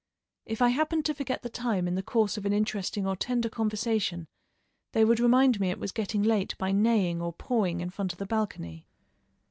If I happened to forget the time in the course of an interesting or tender conversation they would remind me it was getting late by neighing or pawing in front of the balcony.